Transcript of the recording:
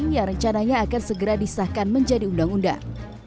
yang rencananya akan segera disahkan menjadi undang undang